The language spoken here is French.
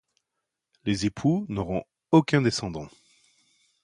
Les époux n'auront aucun descendant.